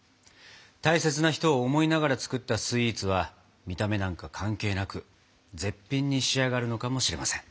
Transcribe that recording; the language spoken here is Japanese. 大切な人を思いながら作ったスイーツは見た目なんか関係なく絶品に仕上がるのかもしれません。